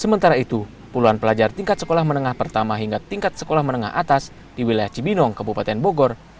sementara itu puluhan pelajar tingkat sekolah menengah pertama hingga tingkat sekolah menengah atas di wilayah cibinong kabupaten bogor